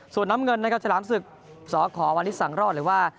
ส่วนน้ำเงินนะครับฉลามสึกสอขอวันนี้สั่งรอดเลยว่า